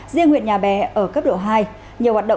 riêng huyện nhà bè ở cấp độ hai